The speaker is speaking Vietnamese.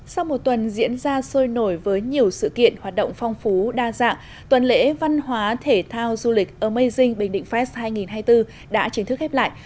sau một tuần diễn ra sôi nổi với nhiều sự kiện hoạt động phong phú đa dạng tuần lễ văn hóa thể thao du lịch amazing bình định fest hai nghìn hai mươi bốn đã chính thức khép lại